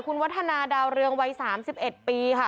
คุณวัฒนาดาวเรืองวัย๓๑ปีค่ะ